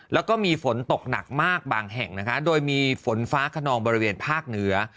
แล้วก็มีฝนตกหนักมากบางแห่งนะคะโดยมีฝนฟ้าขนองบริเวณภาคเหนือ